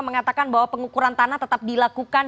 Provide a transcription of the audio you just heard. mengatakan bahwa pengukuran tanah tetap dilakukan